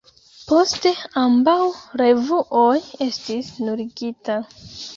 Poste, ambaŭ revuoj estis nuligita.